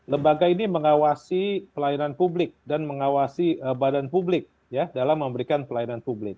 lembaga ini mengawasi pelayanan publik dan mengawasi badan publik dalam memberikan pelayanan publik